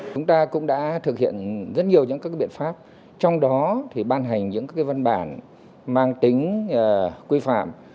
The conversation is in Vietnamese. chúng ta cũng đã thực hiện rất nhiều những các biện pháp trong đó thì ban hành những văn bản mang tính quy phạm